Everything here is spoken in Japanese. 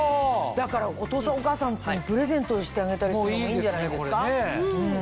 だからお父さんお母さんにプレゼントしてあげたりするのもいいんじゃないですか？